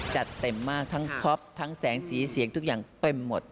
จัดเต็มมากทั้งป๊อปทั้งแสงสีเสียงทุกอย่างเต็มหมด